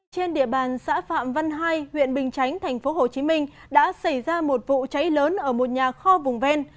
trên địa bàn xã phạm văn hai huyện bình chánh tp hcm đã xảy ra một vụ cháy lớn ở một nhà kho vùng ven